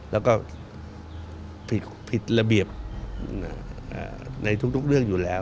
แล้วก็ผิดระเบียบในทุกเรื่องอยู่แล้ว